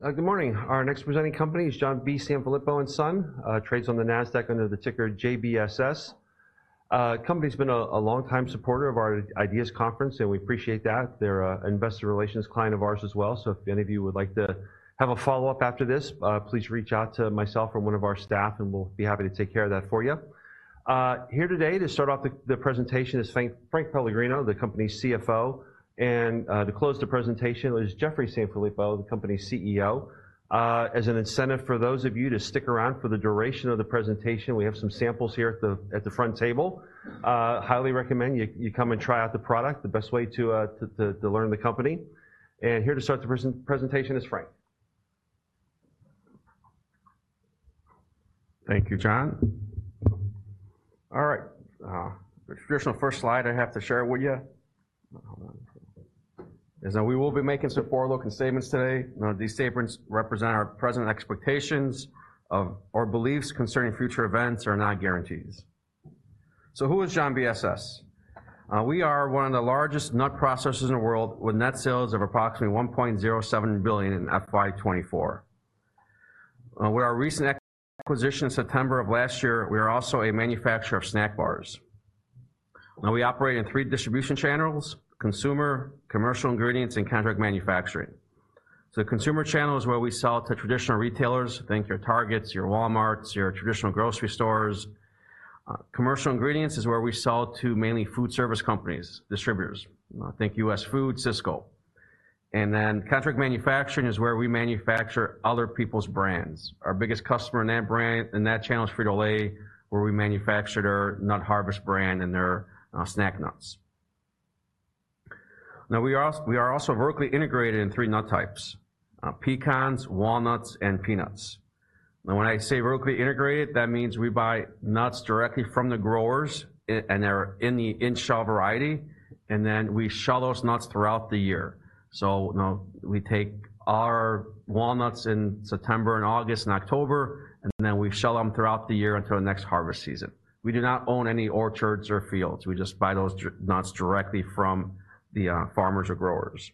Good morning. Our next presenting company is John B. Sanfilippo & Son, trades on the NASDAQ under the ticker JBSS. Company's been a longtime supporter of our Ideas Conference, and we appreciate that. They're an investor relations client of ours as well, so if any of you would like to have a follow-up after this, please reach out to myself or one of our staff, and we'll be happy to take care of that for you. Here today to start off the presentation is Frank Pellegrino, the company's CFO, and to close the presentation is Jeffrey Sanfilippo, the company's CEO. As an incentive for those of you to stick around for the duration of the presentation, we have some samples here at the front table. Highly recommend you come and try out the product, the best way to learn the company. And here to start the presentation is Frank. Thank you, John. All right, the traditional first slide I have to share with you, is that we will be making some forward-looking statements today. These statements represent our present expectations of, or beliefs concerning future events are not guarantees. So who is JBSS? We are one of the largest nut processors in the world, with net sales of approximately $1.07 billion in FY 2024. With our recent acquisition in September of last year, we are also a manufacturer of snack bars. We operate in three distribution channels: consumer, commercial ingredients, and contract manufacturing. So the consumer channel is where we sell to traditional retailers, think your Targets, your Walmarts, your traditional grocery stores. Commercial ingredients is where we sell to mainly food service companies, distributors, think US Foods, Sysco. And then contract manufacturing is where we manufacture other people's brands. Our biggest customer in that brand, in that channel is Frito-Lay, where we manufacture their Nut Harvest brand and their snack nuts. Now, we are also vertically integrated in three nut types: pecans, walnuts, and peanuts. Now, when I say vertically integrated, that means we buy nuts directly from the growers and they're in the in-shell variety, and then we shell those nuts throughout the year. So, you know, we take our walnuts in September and August and October, and then we shell them throughout the year until the next harvest season. We do not own any orchards or fields. We just buy those nuts directly from the farmers or growers.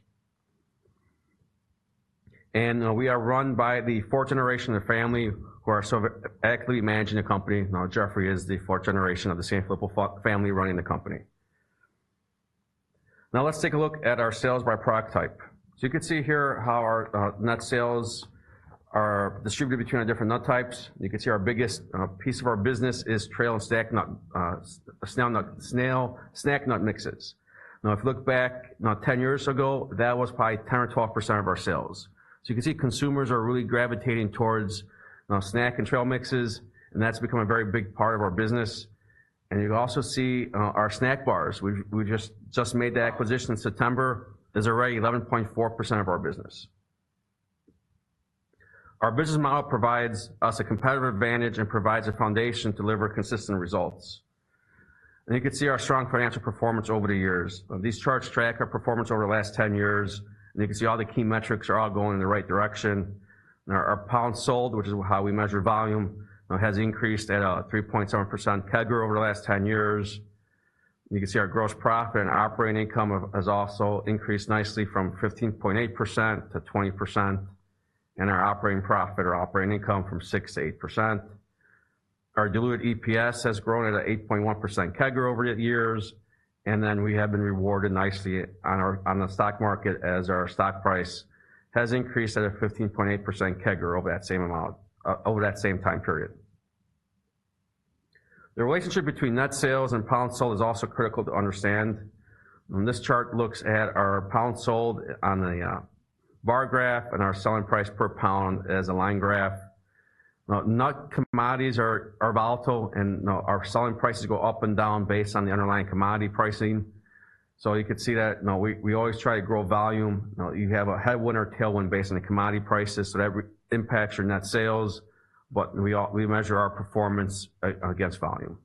And we are run by the fourth generation of the family, who are sort of actively managing the company. Now, Jeffrey is the fourth generation of the Sanfilippo family running the company. Now, let's take a look at our sales by product type. So you can see here how our nut sales are distributed between the different nut types. You can see our biggest piece of our business is trail and snack nut snack nut mixes. Now, if you look back 10 years ago, that was probably 10 or 12% of our sales. So you can see consumers are really gravitating towards snack and trail mixes, and that's become a very big part of our business. And you can also see our snack bars. We've just made that acquisition in September. It's already 11.4% of our business. Our business model provides us a competitive advantage and provides a foundation to deliver consistent results. You can see our strong financial performance over the years. These charts track our performance over the last 10 years, and you can see all the key metrics are all going in the right direction. Our pounds sold, which is how we measure volume, has increased at a 3.7% CAGR over the last 10 years. You can see our gross profit and operating income has also increased nicely from 15.8%-20%, and our operating profit or operating income from 6% to 8%. Our diluted EPS has grown at an 8.1% CAGR over the years, and then we have been rewarded nicely on our, on the stock market, as our stock price has increased at a 15.8% CAGR over that same amount, over that same time period. The relationship between nut sales and pounds sold is also critical to understand. This chart looks at our pounds sold on a bar graph and our selling price per pound as a line graph. Nut commodities are volatile and our selling prices go up and down based on the underlying commodity pricing. You can see that, you know, we always try to grow volume. You have a headwind or tailwind based on the commodity prices, so that impacts your net sales, but we measure our performance against volume.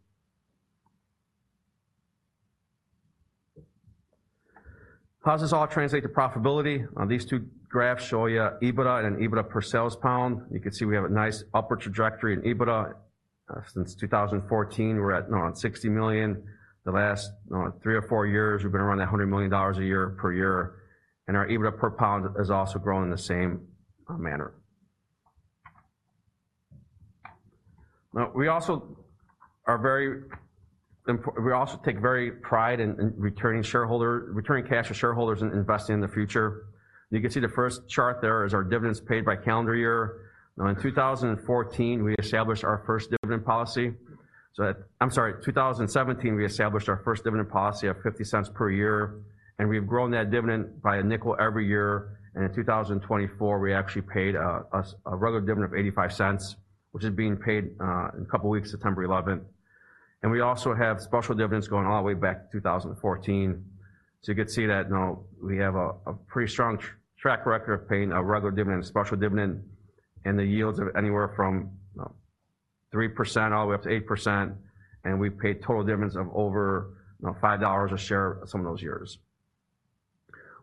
How does this all translate to profitability? These two graphs show you EBITDA and EBITDA per sales pound. You can see we have a nice upward trajectory in EBITDA. Since 2014, we're at $60 million. The last three or four years, we've been around that $100 million a year, and our EBITDA per pound has also grown in the same manner. Now, we also take great pride in returning cash to shareholders and investing in the future. You can see the first chart there is our dividends paid by calendar year. Now, in 2014, we established our first dividend policy. I'm sorry, 2017, we established our first dividend policy of $0.50 per year, and we've grown that dividend by $0.05 every year, and in 2024, we actually paid a regular dividend of $0.85, which is being paid in a couple of weeks, September eleventh. And we also have special dividends going all the way back to 2014. So you can see that, you know, we have a pretty strong track record of paying a regular dividend and special dividend, and the yields are anywhere from 3% all the way up to 8%, and we've paid total dividends of over, you know, $5 a share some of those years.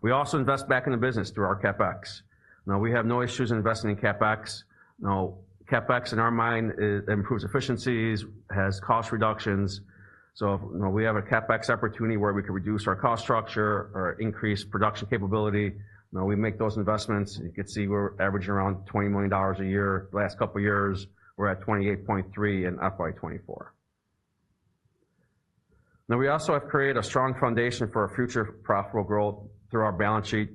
We also invest back in the business through our CapEx. Now, we have no issues investing in CapEx. Now, CapEx in our mind, it improves efficiencies, has cost reductions. So, you know, we have a CapEx opportunity where we can reduce our cost structure or increase production capability. Now, we make those investments. You can see we're averaging around $20 million a year. Last couple of years, we're at $28.3 million in FY 2024. Now, we also have created a strong foundation for our future profitable growth through our balance sheet.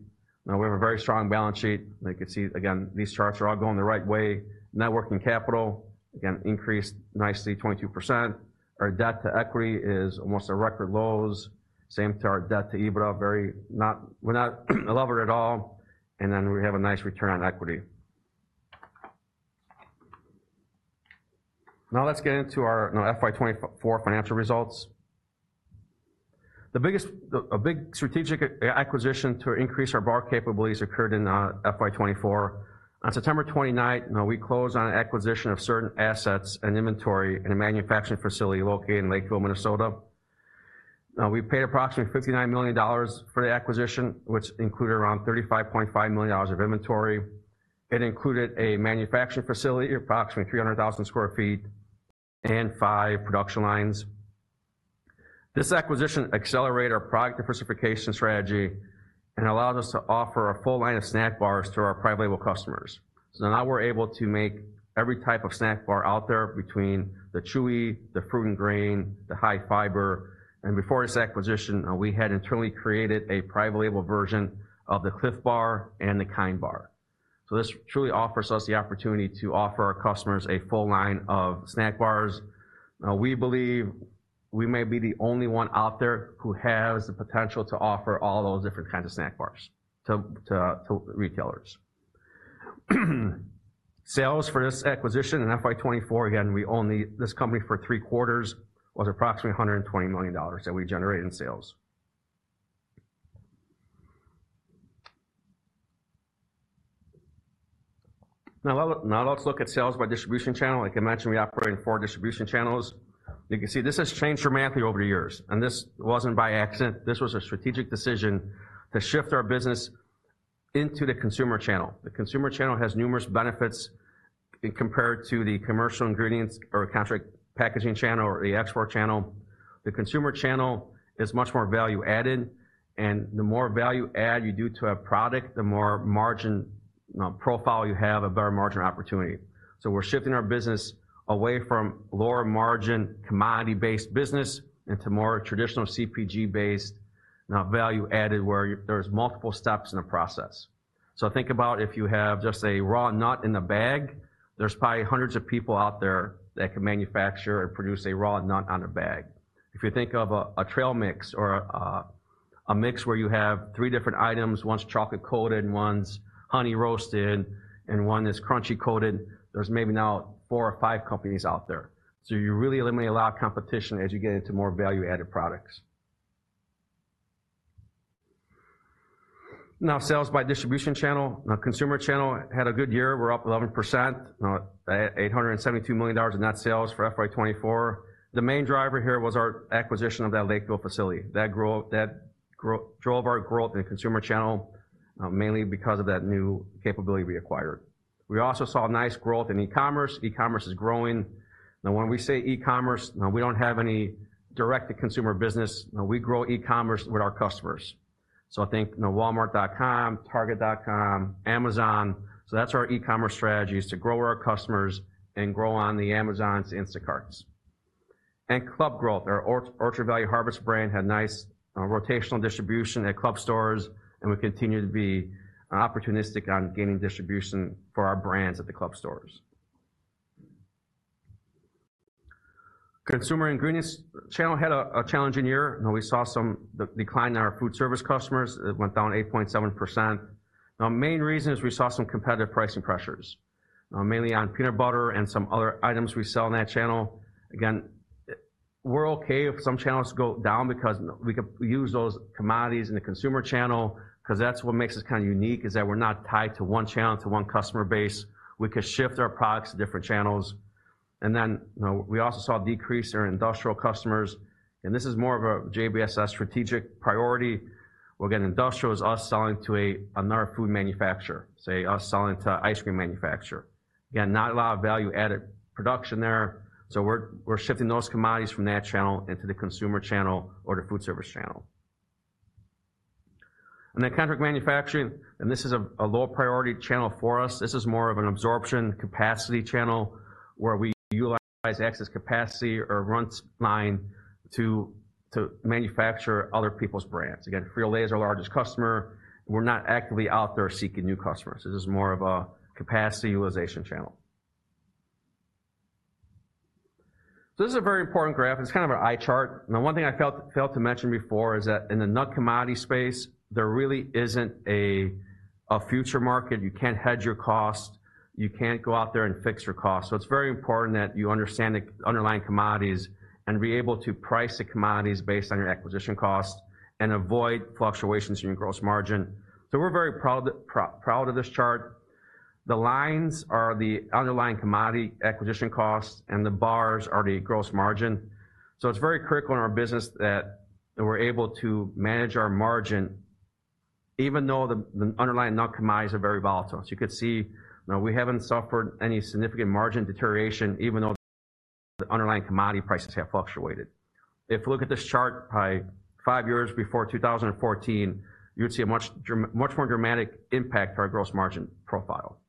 Now, we have a very strong balance sheet, and you can see, again, these charts are all going the right way. Net working capital, again, increased nicely, 22%. Our debt to equity is almost at record lows, same to our debt to EBITDA. Very, not. We're not leveraged at all, and then we have a nice return on equity. Now, let's get into our, you know, FY 2024 financial results. A big strategic acquisition to increase our bar capabilities occurred in FY 2024. On September 29th, you know, we closed on an acquisition of certain assets and inventory in a manufacturing facility located in Lakeville, Minnesota. Now, we paid approximately $59 million for the acquisition, which included around $35.5 million of inventory. It included a manufacturing facility of approximately 300,000 sq ft and five production lines. This acquisition accelerated our product diversification strategy and allowed us to offer a full line of snack bars to our private label customers. So now we're able to make every type of snack bar out there between the chewy, the fruit and grain, the high fiber. And before this acquisition, we had internally created a private label version of the Clif Bar and the KIND Bar. So this truly offers us the opportunity to offer our customers a full line of snack bars. Now, we believe we may be the only one out there who has the potential to offer all those different kinds of snack bars to retailers. Sales for this acquisition in FY 2024, again, we own the, this company for three quarters, was approximately $120 million that we generated in sales. Now let's look at sales by distribution channel. Like I mentioned, we operate in four distribution channels. You can see this has changed dramatically over the years, and this wasn't by accident. This was a strategic decision to shift our business into the consumer channel. The consumer channel has numerous benefits in compared to the commercial ingredients or contract packaging channel or the export channel. The consumer channel is much more value added, and the more value add you do to a product, the more margin, you know, profile you have, a better margin opportunity. So we're shifting our business away from lower margin, commodity-based business into more traditional CPG-based, value added, where there's multiple steps in the process. So think about if you have just a raw nut in a bag, there's probably hundreds of people out there that can manufacture or produce a raw nut in a bag. If you think of a trail mix or a mix where you have three different items, one's chocolate-coated, and one's honey-roasted, and one is crunchy coated, there's maybe now four or five companies out there. So you really eliminate a lot of competition as you get into more value-added products. Now, sales by distribution channel. Now, consumer channel had a good year. We're up 11%, $872 million in net sales for FY 2024. The main driver here was our acquisition of that Lakeville facility. That growth drove our growth in the consumer channel, mainly because of that new capability we acquired. We also saw a nice growth in e-commerce. E-commerce is growing. Now, when we say e-commerce, we don't have any direct-to-consumer business. We grow e-commerce with our customers. So think, you know, Walmart.com, Target.com, Amazon. So that's our e-commerce strategy, is to grow our customers and grow on the Amazons, Instacarts. And club growth. Our Orchard Valley Harvest brand had nice rotational distribution at club stores, and we continue to be opportunistic on gaining distribution for our brands at the club stores. Consumer ingredients channel had a challenging year, and we saw some decline in our food service customers. It went down 8.7%. The main reason is we saw some competitive pricing pressures, mainly on peanut butter and some other items we sell in that channel. Again, we're okay if some channels go down because we can use those commodities in the consumer channel, 'cause that's what makes us kinda unique, is that we're not tied to one channel, to one customer base. We can shift our products to different channels. And then, you know, we also saw a decrease in our industrial customers, and this is more of a JBSS strategic priority. We're getting industrials, us selling to another food manufacturer, say, us selling to an ice cream manufacturer. Again, not a lot of value-added production there, so we're shifting those commodities from that channel into the consumer channel or the food service channel. And then contract manufacturing, and this is a low priority channel for us. This is more of an absorption capacity channel where we utilize excess capacity or run line to manufacture other people's brands. Again, Frito-Lay is our largest customer. We're not actively out there seeking new customers. This is more of a capacity utilization channel. So this is a very important graph. It's kind of an eye chart. Now, one thing I failed to mention before is that in the nut commodity space, there really isn't a futures market. You can't hedge your cost. You can't go out there and fix your cost. So it's very important that you understand the underlying commodities and be able to price the commodities based on your acquisition cost and avoid fluctuations in your gross margin. So we're very proud of this chart. The lines are the underlying commodity acquisition costs, and the bars are the gross margin. So it's very critical in our business that we're able to manage our margin even though the underlying nut commodities are very volatile. As you can see, you know, we haven't suffered any significant margin deterioration, even though the underlying commodity prices have fluctuated. If you look at this chart, probably five years before 2014, you would see a much more dramatic impact to our gross margin profile.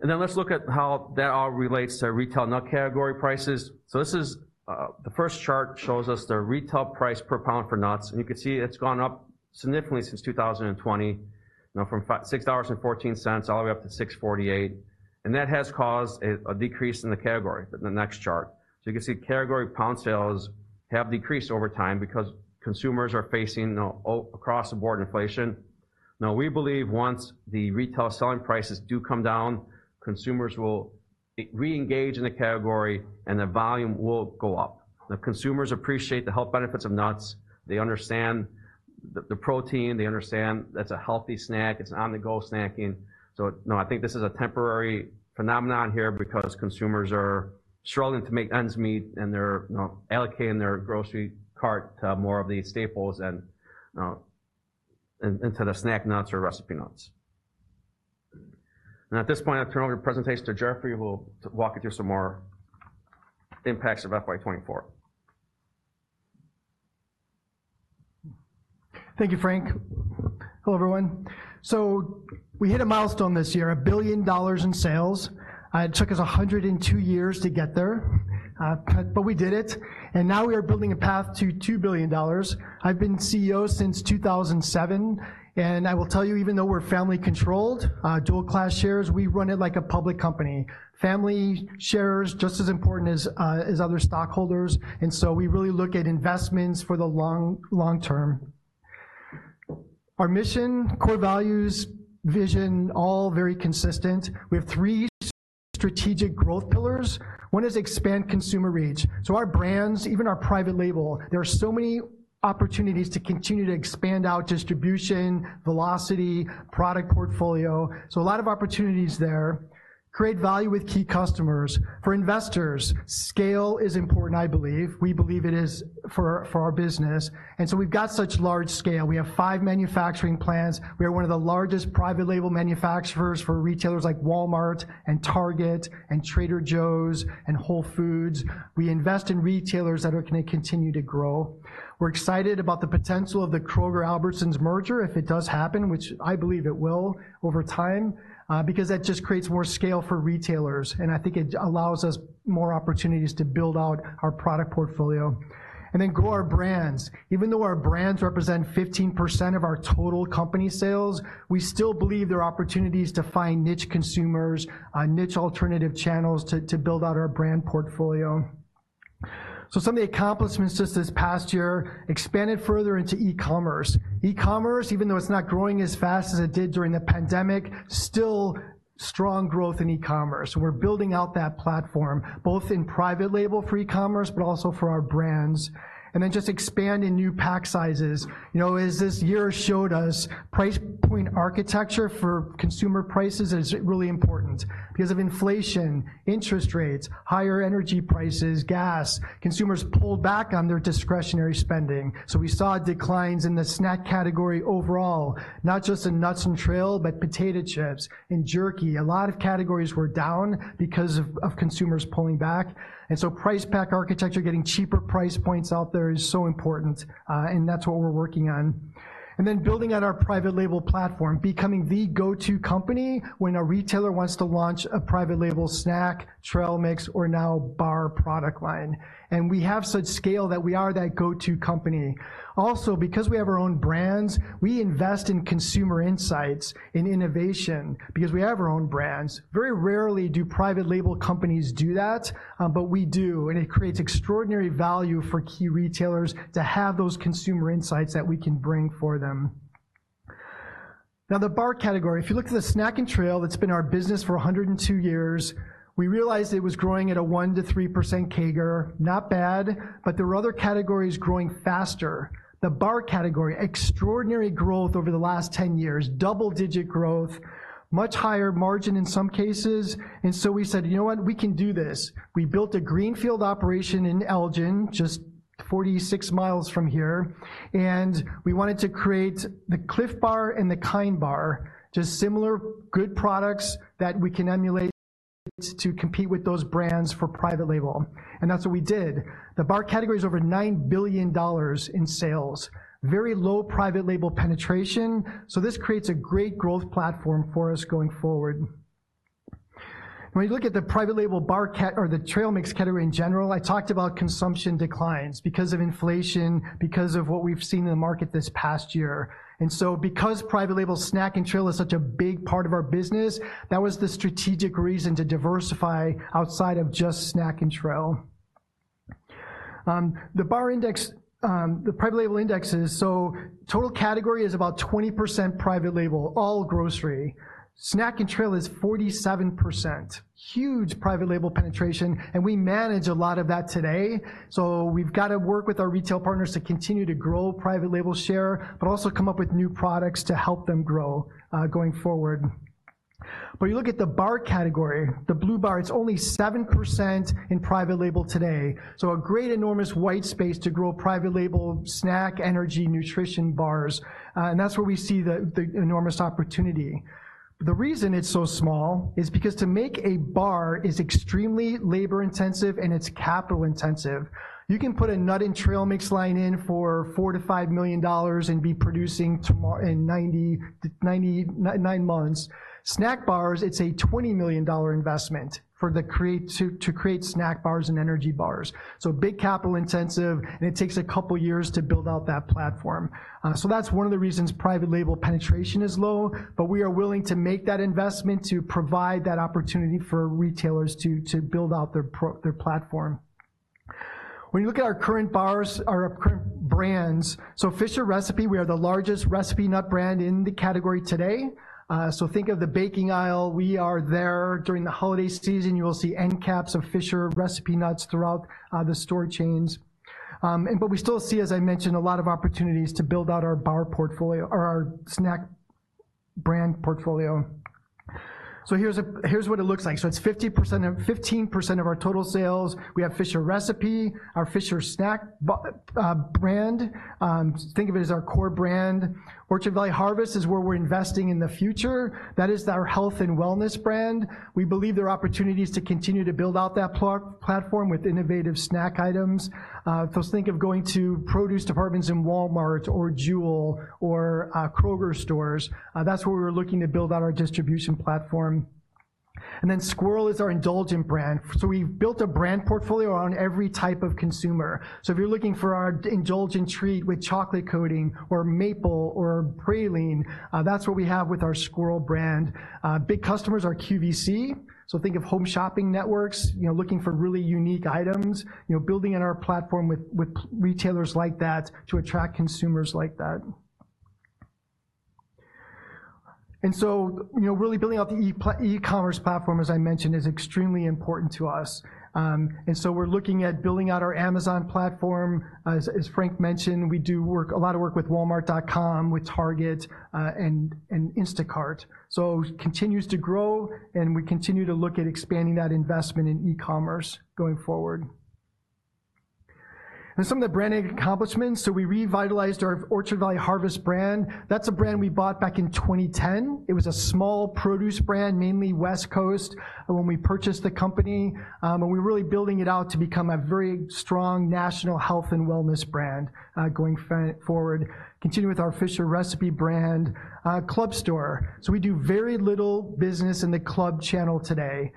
And then let's look at how that all relates to retail nut category prices. So this is, the first chart shows us the retail price per pound for nuts, and you can see it's gone up significantly since 2020, you know, from $6.14 all the way up to $6.48, and that has caused a decrease in the category in the next chart. So you can see category pound sales have decreased over time because consumers are facing, you know, across-the-board inflation. Now, we believe once the retail selling prices do come down, consumers will reengage in the category, and the volume will go up. The consumers appreciate the health benefits of nuts. They understand the protein. They understand that's a healthy snack. It's on-the-go snacking. So, you know, I think this is a temporary phenomenon here because consumers are struggling to make ends meet, and they're, you know, allocating their grocery cart to more of the staples and into the snack nuts or recipe nuts, and at this point, I'll turn over the presentation to Jeffrey, who will walk you through some more impacts of FY 2024. Thank you, Frank. Hello, everyone. So we hit a milestone this year, $1 billion in sales. It took us 102 years to get there, but we did it, and now we are building a path to $2 billion. I've been CEO since 2007, and I will tell you, even though we're family-controlled, dual class shares, we run it like a public company. Family shares just as important as other stockholders, and so we really look at investments for the long, long term. Our mission, core values, vision, all very consistent. We have three strategic growth pillars. One is expand consumer reach, so our brands, even our private label, there are so many opportunities to continue to expand out distribution, velocity, product portfolio, so a lot of opportunities there. Create value with key customers. For investors, scale is important, I believe. We believe it is for our business, and so we've got such large scale. We have five manufacturing plants. We are one of the largest private label manufacturers for retailers like Walmart and Target and Trader Joe's and Whole Foods. We invest in retailers that are gonna continue to grow. We're excited about the potential of the Kroger-Albertsons merger if it does happen, which I believe it will over time, because that just creates more scale for retailers, and I think it allows us more opportunities to build out our product portfolio. Then grow our brands. Even though our brands represent 15% of our total company sales, we still believe there are opportunities to find niche consumers, niche alternative channels to build out our brand portfolio. So some of the accomplishments just this past year, expanded further into e-commerce. E-commerce, even though it's not growing as fast as it did during the pandemic, still strong growth in e-commerce. We're building out that platform, both in private label for e-commerce, but also for our brands, and then just expand in new pack sizes. You know, as this year showed us, price pack architecture for consumer prices is really important. Because of inflation, interest rates, higher energy prices, gas, consumers pulled back on their discretionary spending, so we saw declines in the snack category overall, not just in nuts and trail mix, but potato chips and jerky. A lot of categories were down because of consumers pulling back, and so price pack architecture, getting cheaper price points out there, is so important, and that's what we're working on. And then building out our private label platform, becoming the go-to company when a retailer wants to launch a private label snack, trail mix, or now bar product line, and we have such scale that we are that go-to company. Also, because we have our own brands, we invest in consumer insights and innovation because we have our own brands. Very rarely do private label companies do that, but we do, and it creates extraordinary value for key retailers to have those consumer insights that we can bring for them. Now, the bar category, if you look at the snack and trail, that's been our business for 102 years. We realized it was growing at a 1-3% CAGR. Not bad, but there were other categories growing faster. The bar category, extraordinary growth over the last 10 years, double-digit growth, much higher margin in some cases, and so we said, "You know what? We can do this." We built a greenfield operation in Elgin, just 46 miles from here, and we wanted to create the Clif Bar and the KIND Bar, just similar, good products that we can emulate to compete with those brands for private label, and that's what we did. The bar category is over $9 billion in sales, very low private label penetration, so this creates a great growth platform for us going forward. When you look at the private label bar category or the trail mix category in general, I talked about consumption declines because of inflation, because of what we've seen in the market this past year, and so because private label snack and trail is such a big part of our business, that was the strategic reason to diversify outside of just snack and trail. The bar index, the private label indexes, so total category is about 20% private label, all grocery. Snack and trail is 47%, huge private label penetration, and we manage a lot of that today, so we've got to work with our retail partners to continue to grow private label share, but also come up with new products to help them grow going forward. But you look at the bar category, the blue bar, it's only 7% in private label today. A great, enormous white space to grow private label snack, energy, nutrition bars, and that's where we see the enormous opportunity. The reason it's so small is because to make a bar is extremely labor-intensive, and it's capital-intensive. You can put a nut and trail mix line in for $4-$5 million and be producing tomorrow in 90-99 months. Snack bars, it's a $20 million investment to create snack bars and energy bars, so big capital intensive, and it takes a couple years to build out that platform. So that's one of the reasons private label penetration is low, but we are willing to make that investment to provide that opportunity for retailers to build out their platform. When you look at our current bars, our current brands, so Fisher Recipe, we are the largest recipe nut brand in the category today. So think of the baking aisle, we are there. During the holiday season, you will see end caps of Fisher Recipe nuts throughout the store chains. And but we still see, as I mentioned, a lot of opportunities to build out our bar portfolio or our snack brand portfolio. So here's what it looks like. So it's 50% of... 15% of our total sales, we have Fisher Recipe, our Fisher Snack bar brand, think of it as our core brand. Orchard Valley Harvest is where we're investing in the future. That is our health and wellness brand. We believe there are opportunities to continue to build out that platform with innovative snack items. So think of going to produce departments in Walmart or Jewel or Kroger stores, that's where we're looking to build out our distribution platform. And then Squirrel is our indulgent brand. So we've built a brand portfolio on every type of consumer. So if you're looking for our indulgent treat with chocolate coating or maple or praline, that's what we have with our Squirrel brand. Big customers are QVC, so think of home shopping networks, you know, looking for really unique items. You know, building on our platform with retailers like that to attract consumers like that. And so, you know, really building out the e-commerce platform, as I mentioned, is extremely important to us. And so we're looking at building out our Amazon platform. As Frank mentioned, we do work, a lot of work with Walmart.com, with Target, and Instacart. So it continues to grow, and we continue to look at expanding that investment in e-commerce going forward. Some of the branding accomplishments, so we revitalized our Orchard Valley Harvest brand. That's a brand we bought back in 2010. It was a small produce brand, mainly West Coast, when we purchased the company, and we're really building it out to become a very strong national health and wellness brand, going forward. Continuing with our Fisher Recipe brand, club store. So we do very little business in the club channel today.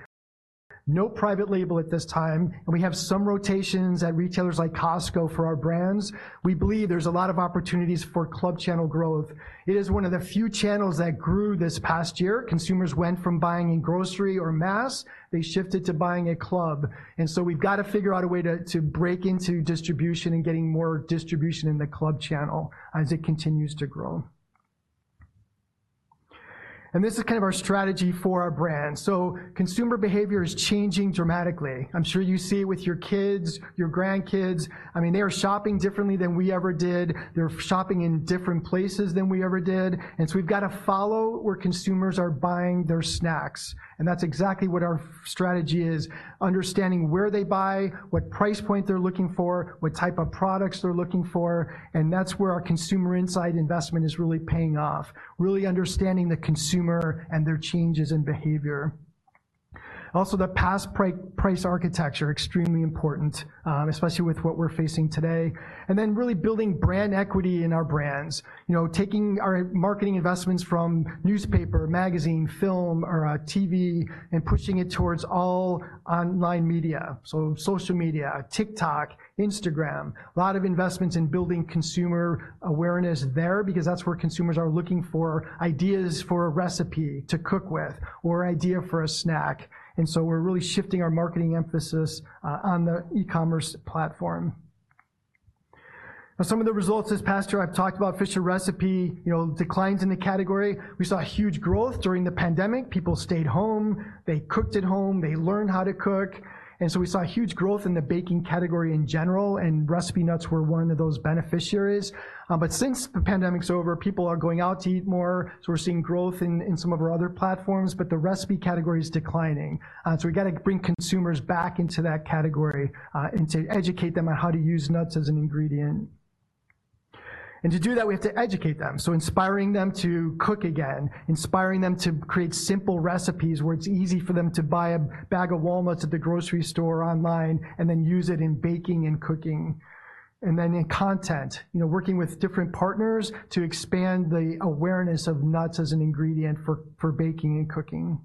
No private label at this time, and we have some rotations at retailers like Costco for our brands. We believe there's a lot of opportunities for club channel growth. It is one of the few channels that grew this past year. Consumers went from buying in grocery or mass, they shifted to buying at club, and so we've got to figure out a way to break into distribution and getting more distribution in the club channel as it continues to grow. And this is kind of our strategy for our brand. So consumer behavior is changing dramatically. I'm sure you see it with your kids, your grandkids. I mean, they are shopping differently than we ever did. They're shopping in different places than we ever did, and so we've got to follow where consumers are buying their snacks. That's exactly what our strategy is, understanding where they buy, what price point they're looking for, what type of products they're looking for, and that's where our consumer insight investment is really paying off, really understanding the consumer and their changes in behavior. Also, price pack architecture, extremely important, especially with what we're facing today. Then really building brand equity in our brands. You know, taking our marketing investments from newspaper, magazine, film, or TV, and pushing it towards all online media, so social media, TikTok, Instagram. A lot of investments in building consumer awareness there, because that's where consumers are looking for ideas for a recipe to cook with or idea for a snack, and so we're really shifting our marketing emphasis on the e-commerce platform. Now, some of the results this past year, I've talked about Fisher Recipe, you know, declines in the category. We saw huge growth during the pandemic. People stayed home. They cooked at home. They learned how to cook, and so we saw huge growth in the baking category in general, and recipe nuts were one of those beneficiaries. But since the pandemic's over, people are going out to eat more, so we're seeing growth in some of our other platforms, but the recipe category is declining. So we got to bring consumers back into that category, and to educate them on how to use nuts as an ingredient. To do that, we have to educate them, so inspiring them to cook again, inspiring them to create simple recipes where it's easy for them to buy a bag of walnuts at the grocery store or online and then use it in baking and cooking. Then in content, you know, working with different partners to expand the awareness of nuts as an ingredient for baking and cooking.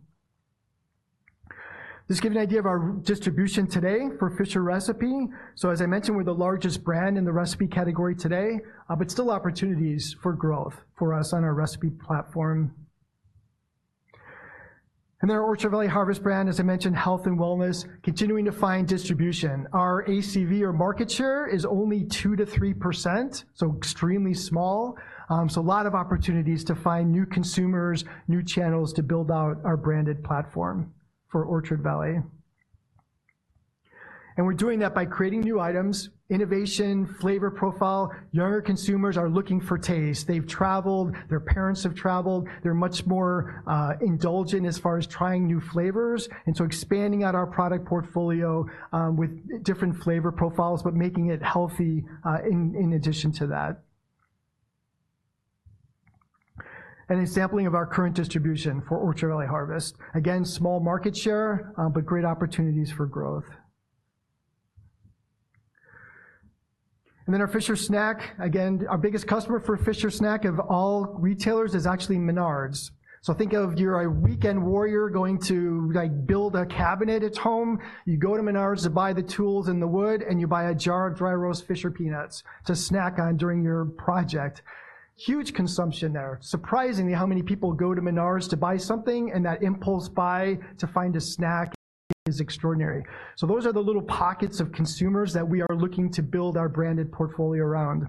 Just to give you an idea of our distribution today for Fisher Recipe. As I mentioned, we're the largest brand in the recipe category today, but still opportunities for growth for us on our recipe platform. Then our Orchard Valley Harvest brand, as I mentioned, health and wellness, continuing to find distribution. Our ACV or market share is only 2%-3%, so extremely small. So a lot of opportunities to find new consumers, new channels to build out our branded platform for Orchard Valley. And we're doing that by creating new items, innovation, flavor profile. Younger consumers are looking for taste. They've traveled, their parents have traveled. They're much more indulgent as far as trying new flavors, and so expanding out our product portfolio with different flavor profiles, but making it healthy in addition to that. And a sampling of our current distribution for Orchard Valley Harvest. Again, small market share but great opportunities for growth. And then our Fisher Snack, again, our biggest customer for Fisher Snack of all retailers is actually Menards. So think if you're a weekend warrior going to, like, build a cabinet at home. You go to Menards to buy the tools and the wood, and you buy a jar of dry roast Fisher peanuts to snack on during your project. Huge consumption there. Surprisingly, how many people go to Menards to buy something, and that impulse buy to find a snack is extraordinary. So those are the little pockets of consumers that we are looking to build our branded portfolio around.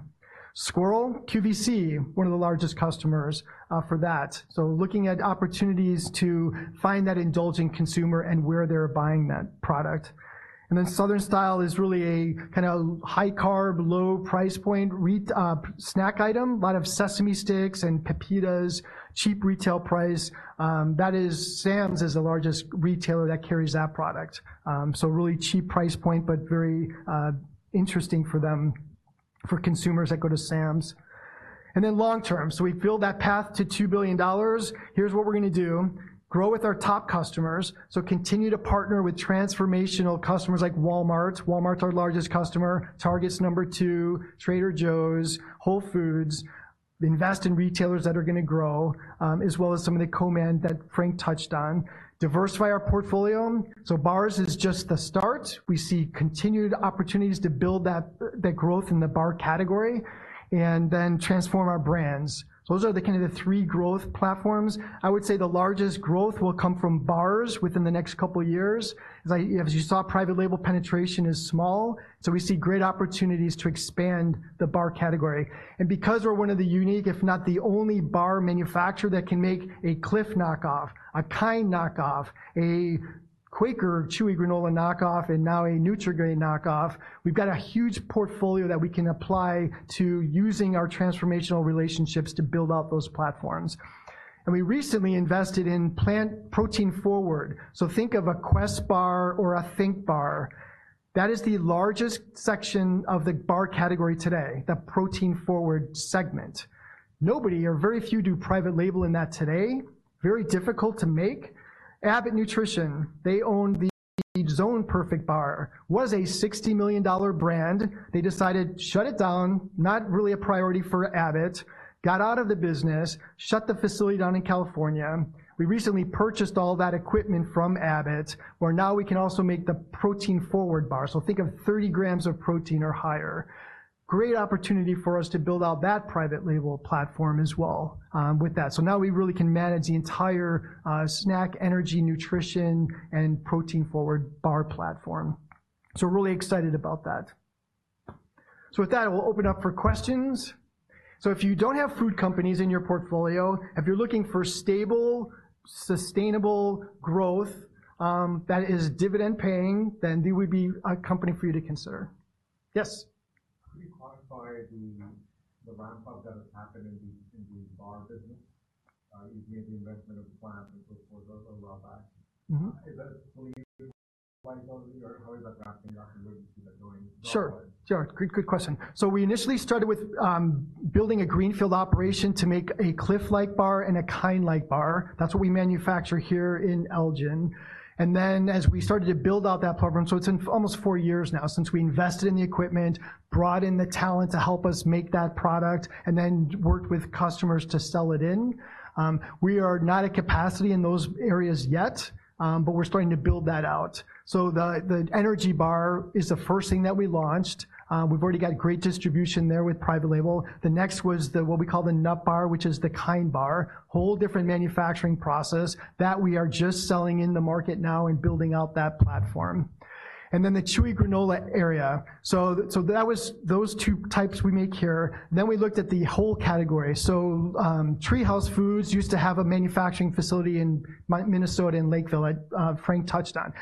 Squirrel, QVC, one of the largest customers for that. So looking at opportunities to find that indulgent consumer and where they're buying that product. And then Southern Style is really a kind of high-carb, low price point snack item, a lot of sesame sticks and pepitas, cheap retail price. That is, Sam's is the largest retailer that carries that product. So really cheap price point, but very interesting for them, for consumers that go to Sam's. And then long term, so we build that path to $2 billion. Here's what we're gonna do: grow with our top customers, so continue to partner with transformational customers like Walmart. Walmart's our largest customer, Target's number two, Trader Joe's, Whole Foods. Invest in retailers that are gonna grow, as well as some of the co-man that Frank touched on. Diversify our portfolio, so bars is just the start. We see continued opportunities to build that, the growth in the bar category, and then transform our brands. Those are the kind of the three growth platforms. I would say the largest growth will come from bars within the next couple of years. Like, as you saw, private label penetration is small, so we see great opportunities to expand the bar category. Because we're one of the unique, if not the only bar manufacturer that can make a Clif knockoff, a KIND knockoff, a Quaker Chewy granola knockoff, and now a Nutri-Grain knockoff, we've got a huge portfolio that we can apply to using our transformational relationships to build out those platforms. We recently invested in plant protein forward. Think of a Quest bar or a Think bar. That is the largest section of the bar category today, the protein-forward segment. Nobody or very few do private label in that today. Very difficult to make. Abbott Nutrition, they own the ZonePerfect bar, was a $60 million brand. They decided, shut it down, not really a priority for Abbott. Got out of the business, shut the facility down in California. We recently purchased all that equipment from Abbott, where now we can also make the protein-forward bar. Think of 30 grams of protein or higher. Great opportunity for us to build out that private label platform as well, with that. So now we really can manage the entire snack, energy, nutrition, and protein-forward bar platform. So we're really excited about that. So with that, we'll open up for questions. So if you don't have food companies in your portfolio, if you're looking for stable, sustainable growth, that is dividend paying, then we would be a company for you to consider. Yes? Mm-hmm. Sure, sure. Good, good question. So we initially started with building a greenfield operation to make a Clif-like bar and a KIND-like bar. That's what we manufacture here in Elgin. And then as we started to build out that program, so it's almost four years now since we invested in the equipment, brought in the talent to help us make that product, and then worked with customers to sell it in. We are not at capacity in those areas yet, but we're starting to build that out. So the energy bar is the first thing that we launched. We've already got great distribution there with private label. The next was what we call the nut bar, which is the KIND bar. Whole different manufacturing process. That we are just selling in the market now and building out that platform. And then the chewy granola area. That was those two types we make here. Then we looked at the whole category. TreeHouse Foods used to have a manufacturing facility in Minnesota, in Lakeville, like Frank touched on.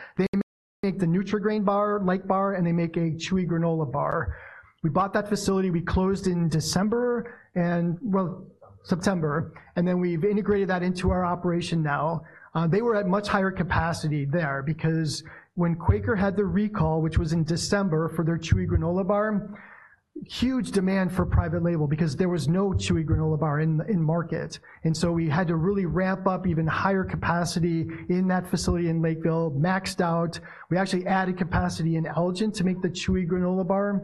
They make the Nutri-Grain bar and they make a Chewy granola bar. We bought that facility. We closed in December and, well, September, and then we've integrated that into our operation now. They were at much higher capacity there because when Quaker had the recall, which was in December, for their Chewy granola bar. Huge demand for private label because there was no Chewy granola bar in market. And so we had to really ramp up even higher capacity in that facility in Lakeville, maxed out. We actually added capacity in Elgin to make the Chewy granola bar,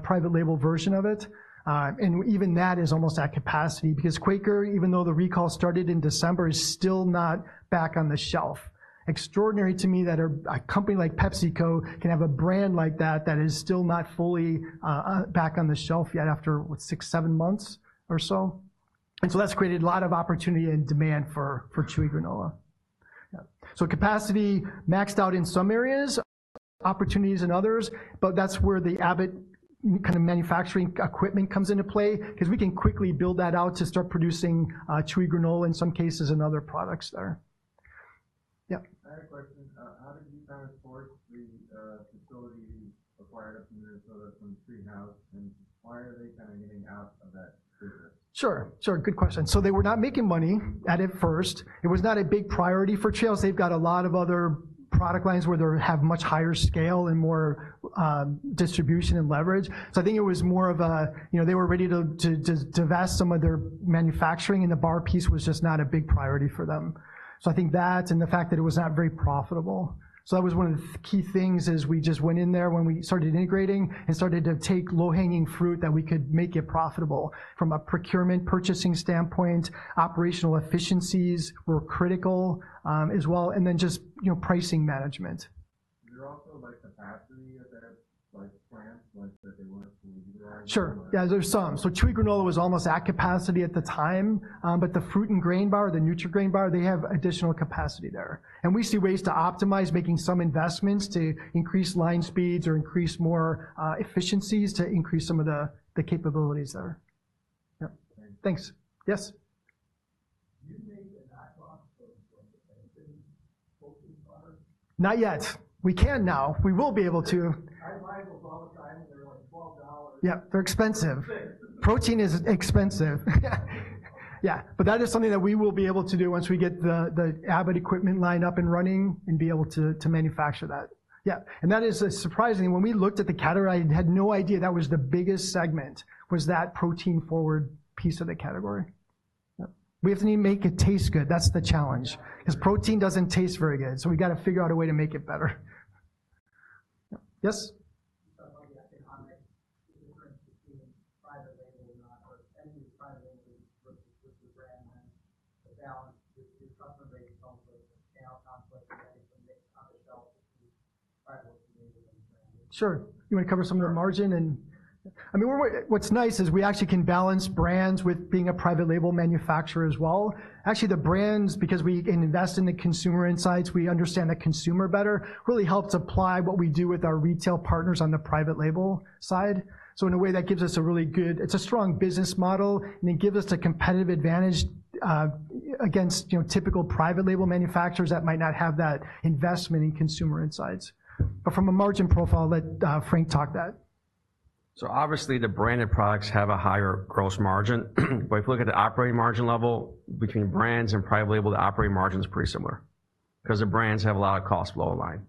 private label version of it, and even that is almost at capacity because Quaker, even though the recall started in December, is still not back on the shelf. Extraordinary to me that a company like PepsiCo can have a brand like that, that is still not fully back on the shelf yet after, what, six, seven months or so, and so that's created a lot of opportunity and demand for chewy granola. Yeah. So capacity maxed out in some areas, opportunities in others, but that's where the Abbott kind of manufacturing equipment comes into play, 'cause we can quickly build that out to start producing chewy granola, in some cases, and other products there. Yep. I had a question. How did you kind of force the facility you acquired from Minnesota, from TreeHouse, and why are they kinda getting out of that business? Sure, sure. Good question. So they were not making money at it first. It was not a big priority for TreeHouse. They've got a lot of other product lines where they have much higher scale and more, distribution and leverage. So I think it was more of a, you know, they were ready to divest some of their manufacturing, and the bar piece was just not a big priority for them. So I think that, and the fact that it was not very profitable. So that was one of the key things is we just went in there when we started integrating and started to take low-hanging fruit that we could make it profitable. From a procurement purchasing standpoint, operational efficiencies were critical, as well, and then just, you know, pricing management. Sure. Yeah, there's some. So chewy granola was almost at capacity at the time, but the fruit and grain bar, the Nutri-Grain bar, they have additional capacity there. And we see ways to optimize, making some investments to increase line speeds or increase more efficiencies to increase some of the capabilities there. Yep. Thank you. Thanks. Yes? Not yet. We can now. We will be able to. Yeah, they're expensive. Protein is expensive. Yeah. But that is something that we will be able to do once we get the Abbott equipment lined up and running and be able to manufacture that. Yeah, and that is surprising. When we looked at the category, I had no idea that was the biggest segment, was that protein-forward piece of the category. Yep. We have to make it taste good, that's the challenge, 'cause protein doesn't taste very good, so we got to figure out a way to make it better. Yes? So, like the economics, the difference between private label or not, or any private label with the brand and the balance is customer-based. Also, channel conflict when they themselves try to- Sure. You want to cover some of the margin and I mean, what's nice is we actually can balance brands with being a private label manufacturer as well. Actually, the brands, because we can invest in the consumer insights, we understand the consumer better, really helps apply what we do with our retail partners on the private label side. So in a way, that gives us a really good, it's a strong business model, and it gives us a competitive advantage against, you know, typical private label manufacturers that might not have that investment in consumer insights. But from a margin profile, let Frank talk that. So obviously, the branded products have a higher gross margin. But if you look at the operating margin level between brands and private label, the operating margin is pretty similar because the brands have a lot of cost below the line.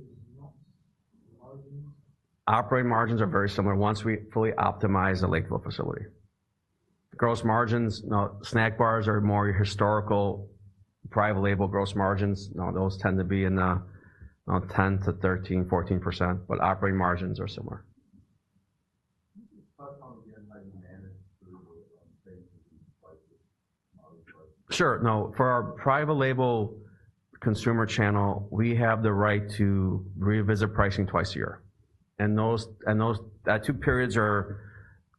Operating margins are very similar once we fully optimize the Lakeville facility. The gross margins, now, snack bars are more historical. Private label gross margins, now, those tend to be in the, 10%-13%, 14%, but operating margins are similar. Sure. Now, for our private label consumer channel, we have the right to revisit pricing twice a year, and those two periods,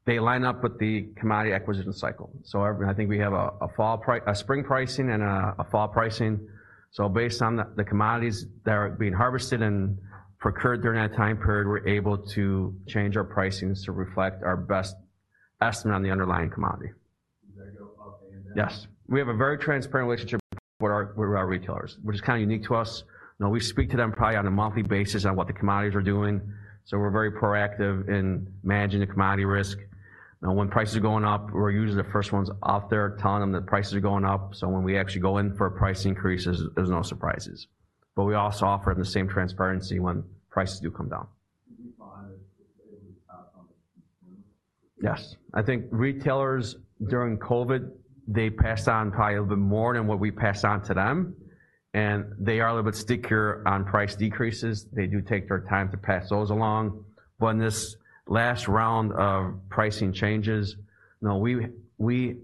they line up with the commodity acquisition cycle. So I think we have a spring pricing and a fall pricing. So based on the commodities that are being harvested and procured during that time period, we're able to change our pricings to reflect our best estimate on the underlying commodity. Does that go up and down? Yes. We have a very transparent relationship with our retailers, which is kind of unique to us. Now, we speak to them probably on a monthly basis on what the commodities are doing, so we're very proactive in managing the commodity risk. Now, when prices are going up, we're usually the first ones out there telling them that prices are going up, so when we actually go in for a price increase, there's no surprises. But we also offer the same transparency when prices do come down. Yes. I think retailers, during COVID, they passed on probably a little bit more than what we passed on to them, and they are a little bit stickier on price decreases. They do take their time to pass those along. But in this last round of pricing changes, now, we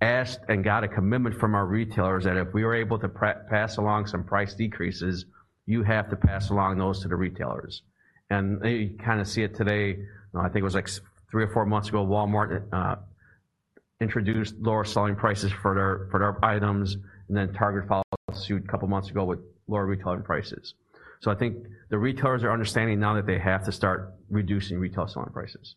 asked and got a commitment from our retailers that if we were able to pass along some price decreases, you have to pass along those to the retailers. And you kind of see it today. I think it was, like, three or four months ago, Walmart introduced lower selling prices for their items, and then Target followed suit a couple of months ago with lower retailing prices. So I think the retailers are understanding now that they have to start reducing retail selling prices.